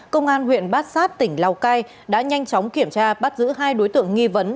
công an huyện bát sát tỉnh lào cai đã nhanh chóng kiểm tra bắt giữ hai đối tượng nghi vấn